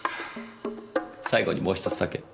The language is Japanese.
最後にもう１つだけ。